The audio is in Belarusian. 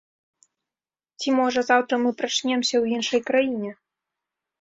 Ці, можа, заўтра мы прачнемся ў іншай краіне?